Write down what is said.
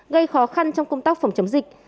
gây khó khăn trong công tác phòng chống dịch